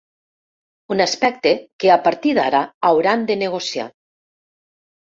Un aspecte que a partir d’ara hauran de negociar.